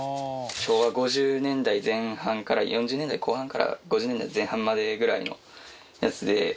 昭和５０年代前半から４０年代後半から５０年代の前半までぐらいのやつで。